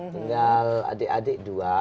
tinggal adik adik dua